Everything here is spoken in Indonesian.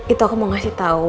itu aku mau ngasih tau